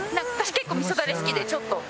結構みそダレ好きでちょっと。